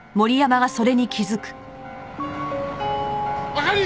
あかり！